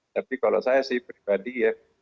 tapi kalau saya sih pribadi ya